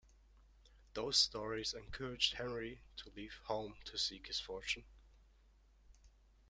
Those stories encourage Henry to leave home to seek his fortune.